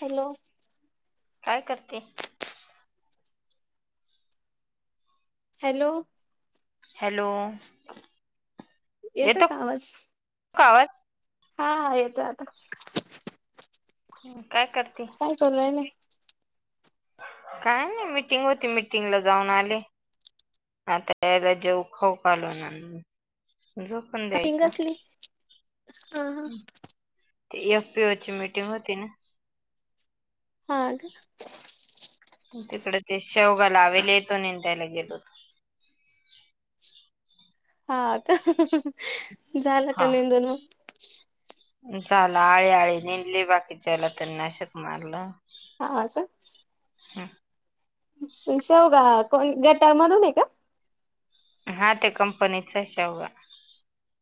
Hello! काय करते hello hello येतो का आवाज कावाज हा येतोय आता ह् काय करते काय चालूय ना काय नाही मिटिंग होती मिटिंगला जाऊन आले आता याला जेव खाऊ पा आलो ना पण पिंग द्यायचा असली हा हा ते एफ पी ओची मीटिंग होती ना हा तिकडे ते शेवगा लावेले तो ने द्यायला गेलो होतो हा आता झालं का हा नेंदून मग झाला आळी आळी नेदली बाकीच्याला तर नाशक मारलं हा का हम शेवघा कोण गटामधून आहे का हा ते कंपनीचा शेवगा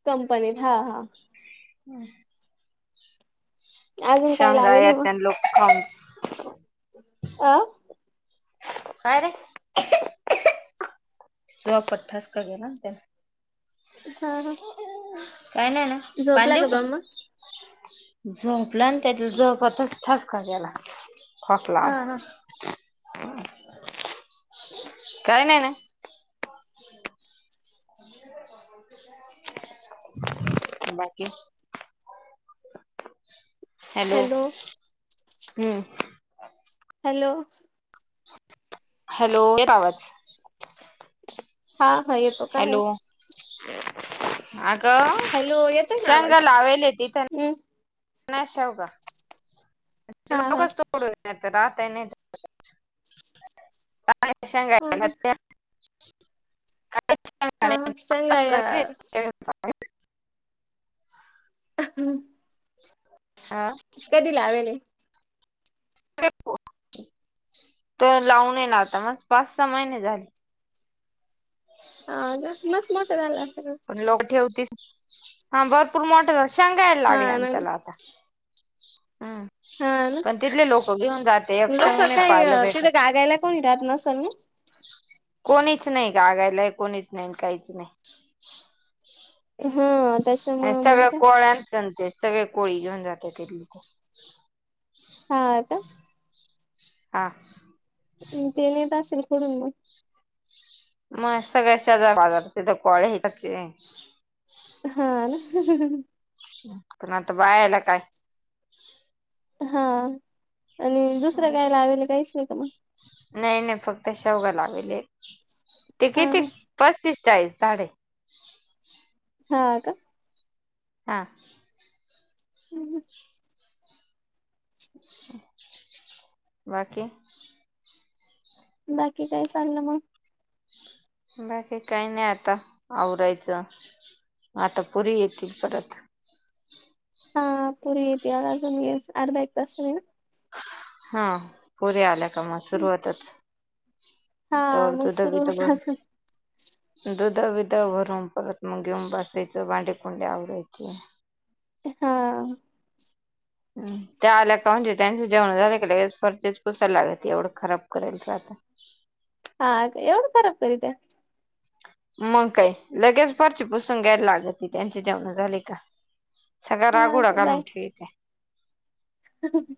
कंपनीत हा हा हम्म अजून काही शांगा लावेल या आहे मग त्यां लोकांच आ काय रे ज पटठास का घे ना त्यां हा हा काही नाही ना पाणी झोपला देऊ का ब्रह्मा झोपला त्या झोपतच ठसका गेला खोकला हा आला हा काही नाही ना [inaudible] बाकी हॅलो हम्म हॅलो हॅलोे येत का आवाज हा हा येतो काय हॅलो अगं हॅलो येतोय ना शेंगा आवाज लावेल तिथ हम्म शेवगा हा हा [unintelligible] हा [unintelligible] हा सांगा या [unintelligible] [inaudible] [inaudible] हा कधी लावेेले [unintelligible] त लावून ये ना आता मस पाच सहा महिने झाले हा का मस्त मोठं झालं असेल. पण लोक ठेवतीस हा भरपूर मोठ झा शेंगायला हा लागलें ना तेला आता हम् हा ना पण तिथले लोक घेऊन जाते लोक यक्षंग नाही पाहायला काय तिथे भेटत गागायला कोणी राहत नसेल नई कोणीच नाही कागायला कोणीच नाही काहीच नाही हा त्याच्यामुळ आणि मग सगळ्या काय कोळलते सगळे कोळी घेऊन जाते तथली हा आता हा ते नेत असेल खडून मग मग सगळ्या शेजार बाजारा कोळे हे हा ना नाहीता बाय आला काय हा आणि दुसरं कायला हवेला काहीच नाही का मग नाही नाही फक्त शवग लावेले ते हा किती हा पस्तीस चाळीस झाडे हा का हा हम् ह बाकी बाकी काय चागलं मग बाकी काही नाही आता आवरायचं आता पुरी येतील परत हा पूवी येते या अजून अर्धा एक तास हा पुरी आल्या का म सुरुवातच हा तर मग सुरू तुधवी तर होत ब असेल दुध बध भरून परत मग घेऊन बसायचं बांडेकुंडे आवडायचे हा त्या आल्या का म्हणजे त्यांचं जेण झालं का फर्चेच पसायलागत एवढं खराब करायच आता हा एवढ खरब कर दे्या मग काय लगेच फारची पुसून घ्यायला लागत ती त्यांचे जेवण झाली का सगळळा हा रागोडा घालून ठीक आहे हम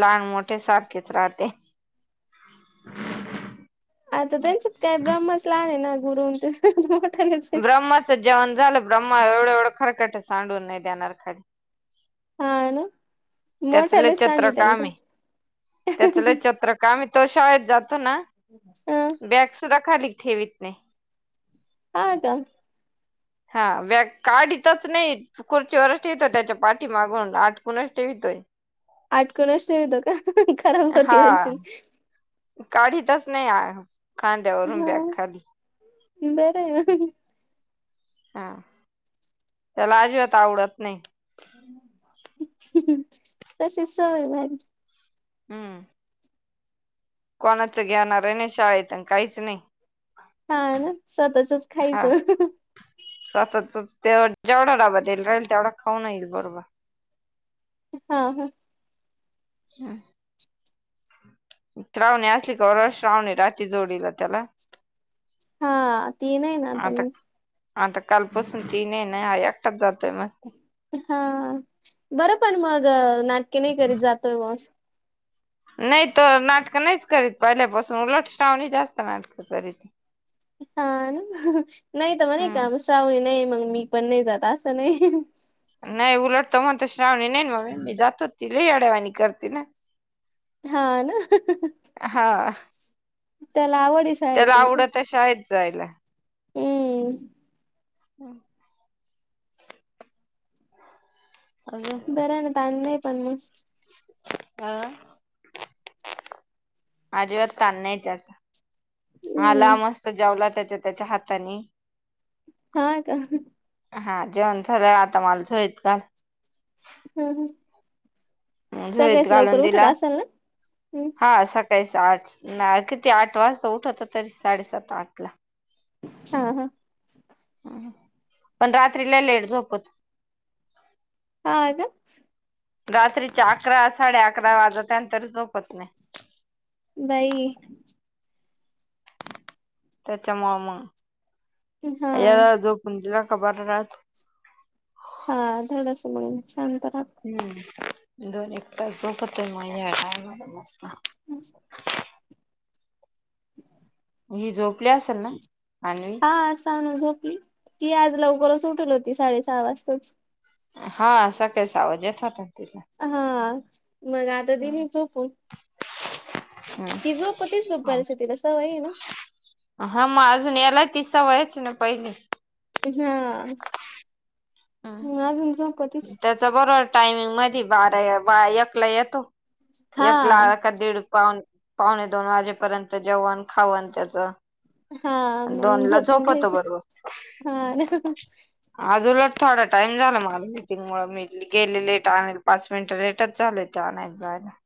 लहान मोठे सारखेच राहते आता त्यांच्यात काय ब्रह्मस लहान आहे ना गुरु मोठा ब्रह्माचं जेवण झालं ब्रम्म एवढं एवढं खरखट सांडून नाही देणार काा हा ना त्याचले मोठ्यालाच चत्रका सांगितल का आम्ही त्याचले चत्रक आम्ही तो शाळेत जातो ना हम बॅग सुद्धा खाली ठेवीत नाही हा का हा व काढथच नाही खुर्ची ववरच ठेवतो त्याच्या पाठी मागून आठकुणच ठेवतोय आटको अ अस य का खराब हा होती म्हणशील काढतच नाही खांद्यावरून हा बॅग खाली बर हा त्याला अजिबात आवडत नाही तशी सवय बारी हम्म कोणाच घेणार आहे नाही शाळेत काहीच नाही हा ना स्वतःचच खायचं स्वतत ते जेवढा डबा देईला राहील तेवढा खाऊन येईल बरोबर हा हा हम श्रावणी असली का वरज श्रावणी रात्री जोडीला त्याला हा तन ये आता नातानी आता कालपासून तीन ना हा एकटच जातोय मस्त हा बरं पण मग नाटके नाही करीत जातोय व. नाही तर नाटकं नाहीच करीत पहिल्यापासून उलटष्टावणी जास्त नाटकं करीत. हा नाही तर मणे का हम्म श्रावणी नाही मग मी पण नाही जात असं नाही. नाही उलटतो म्हणत श्रावणी नाही म मी जातो ति ल अडवाणी करते ना. हा ना हा त्याला आवड त्याला शाळेची आवडत तशा आहेत जायला. हम् हम् अग बरं आहे ना ताण नाही पण मग अ आजिबात कान नाहीच. हा ला हम्म मस्त जेवला त्याच्या त्याच्या हाताने. हा का. हा जेवण झालं आता मला शाईत का. हम्म हम्. झोळीत सगळेच लवकर घालून उठत दिला असाल ना हम् हा स काही साठ ना किती आठ वाजता उठवत तरी साडेसात आठ ला. हा हा. पण रात्रीला लेट झोपत. हा आ का. रात्रीच्या अकरा साडे अकरा वाजत त्यांतर झोपत नाही. बाई. त्याच्यामुळे हा मग जो पुंजला खबर राहत. हा धड अस म्हणून छानत. हम्म दोन एक तास झोपत आहे मज्या टायमला मस्त. हम् [inaudible] ही जो हा साणू झोपली की आज लवकरच उठल होती साडेसहा वाजताच. हा सकाळी सा आवजेे तोत तिथ. हा मग आता दिली झोपून. ति झोप तीच दुपरची तिला सवय ना. हा मग अजून यायलाय तिसा वयच ना पहिले. हा अजूनच. त्याचा बरोबर टायमिंग मधी बारा एकला येतो. हा एक ला का दीड पाऊन. पावणे दोन वाजेपर्यंत जेवण खावन त्याचं. हा मग झोपून घ्यायच हा. अजूल थोडा टाइम झाला मला. मुळेळ मी गेले लेट आणल पाच मिनिट लेटच झाले ते आणयला जायला.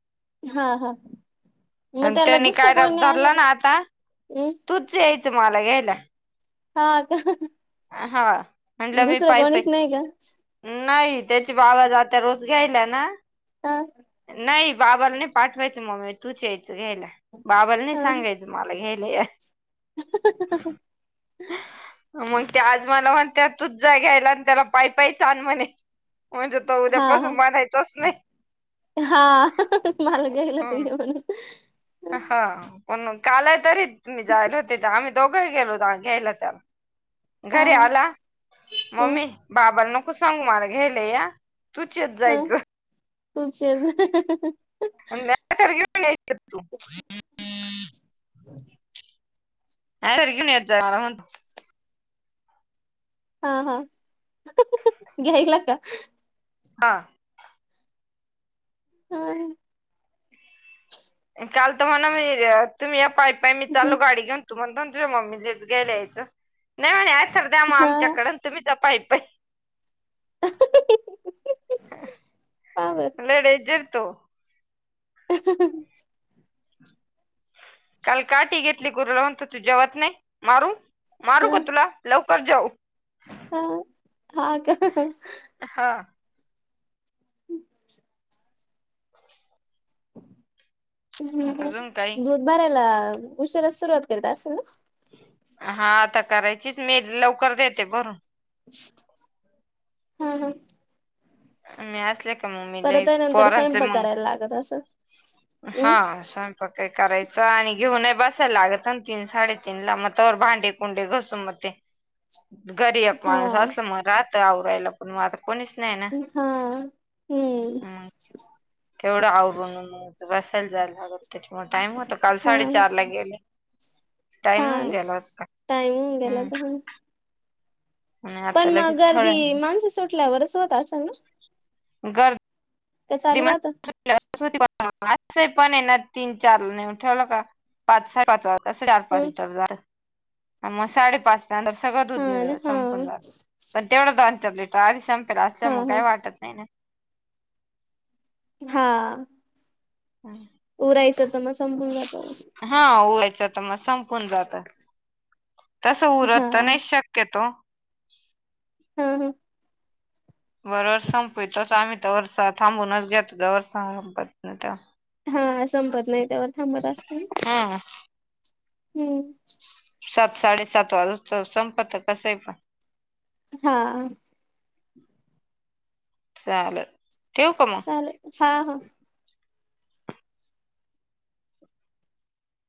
हा हा मग आणि त्याला त्यानी दुसरं काय कोण रब नाही आणलं धरला का्. ना आता तूच यायचं मला घ्यायला. हा का हा म्हटलं मी दुसरं पाय पाय कोणीच नाही का. नाही त्याचे बाबा जात रोज घ्यायला ना हा नाही बाबानी. पाठवायचं मग मी तूच यायचं घ्याय बाबालानी हा सांगायचं मला घ्यायल. [inaudible] मग ते आज मला मग त्यातच जा घ्यायला आणि त्याला पाय पाय छान म्हणे. म्हणजे त हा हा उद्यापासून मारायचंच नाही. हा मला घ्यायला तु हम्म. म्हणून. हा पण कालय तरीी जायला होते आम्ही. दोघं गेलो घ्यायला त्याला हा घरी हा आला. हम् मम्मी बाबाला नको सांग मार घ्यायलाय या तू त जायचं. तुमचेच [unintelligible] [inaudible] [unintelligible] मला म्हणतो हा हा घ्यायला का? हा ह काल तर म्हणा तुम्ही या पाय पाय मी चालू गाडी घेऊन [unintelligible] मम्मीलाच गेला यायचं नाही म्हणे सर द्या मग हा आमच्याकड तुम्हीच पाई पई का बर लय डेंजर तो ह काल काठी घेतली गुरुला म्हणत तू जेवत नाही मारू मारू हा का तुला लवकर जेव. हा हा का हा. [unintelligible] [inaudible] अजून काही दूध भरायला उशिराच सुरुवात करीता असेल ना? हा आता करायचीच मी लवकर देते बरून. हम् हम्. मी असले का मम्मीला नंतर पोरांचे स्वयंपाक करायला लागत असं मग हा सा प काय करायचं आणि घेऊन बसायला लागत ना तीन साडेतीन ला मग त्यावर भांडे कुंडे घसून मग ते [inaudible] घरी एक हा माणूस असल मग राहत आवरायला पण मग आता कोणीच नाही ना. हा हम्म म तेवढं आवरून म तू बसायला जाला ला त्याच्यामुळे टाइम होत काल हा साडेचार ला गेले. हा टाइम ना गेलात का टाइम होऊन गेला हम्म. तर आणि आता पण मग लगेच थोड्या गर्दी माणसं सुटल्यावर अस होत असं ना. घर ते चालू राहात. [unintelligible] पण ये ना तीन चार नेऊन ठेवलं का पाच साडे पाचज तसं चार ह पाच लिटर जात मग साडेपाचच्यांतर सगळं हा दूध ना हा संपून जात. पण तेवढं दोनचर लीटर आधी संपेल असं हा मग हा काही वाटत नाही ना. हा उरायचं तर मग संपून जात. हा उरायचं तर मग संपून जात तस हा उरत तर नाही शकत केेतो. हम् हम. बरोबर संप तोच आम्ही तर वर्ष थांबूनच घेतो वर्ष [unintelligible] हा संपत नाही तोवर थांबत असतो. हा. हम्म. सात साडे सात वाजे तर संपत कसय पण. हा. चाले ठेव का मग. हा हा.